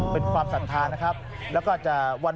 เป็นความศรัทธานะครับ